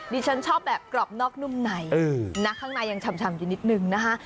ฉันชอบแบบกรอบนอกนุ่มในนะข้างในยังชำอยู่นิดนึงนะคะ